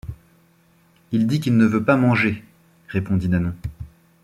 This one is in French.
Il dit qu’il ne veut pas manger, répondit Nanon.